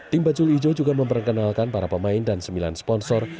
tim bajul ijo juga memperkenalkan para pemain dan sembilan sponsor